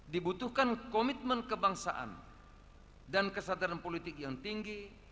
dibutuhkan komitmen kebangsaan dan kesadaran politik yang tinggi